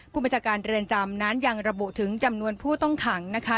ผู้บัญชาการเรือนจำนั้นยังระบุถึงจำนวนผู้ต้องขังนะคะ